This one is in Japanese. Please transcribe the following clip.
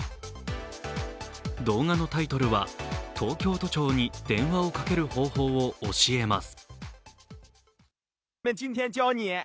動画のタイトルは東京都庁に電話をかける方法を教えます。